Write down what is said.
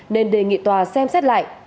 nên đề nghị tòa xem xét lại